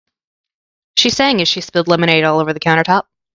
She sang as she spilled lemonade all over the countertop.